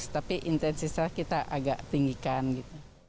tapi intensitas kita agak tinggikan gitu